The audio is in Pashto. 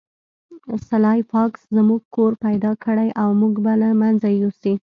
سلای فاکس زموږ کور پیدا کړی او موږ به له منځه یوسي